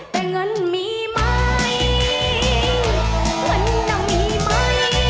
แต่เงินมีไหมเงินเรามีไหม